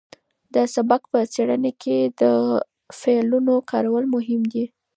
د سبک په څېړنه کې د فعلونو کارول مهم دي.